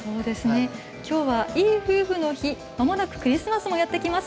きょうはいい夫婦の日まもなくクリスマスもやってきます。